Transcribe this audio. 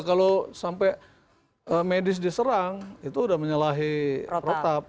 kalau sampai medis diserang itu sudah menyalahi protap